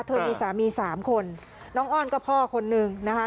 เธอมีสามี๓คนน้องอ้อนก็พ่อคนหนึ่งนะคะ